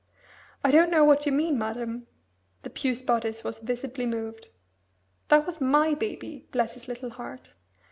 "I don't know what you mean, madam." The puce bodice was visibly moved. "That was my baby, bless his little heart.